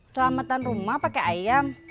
selamatan rumah pake ayam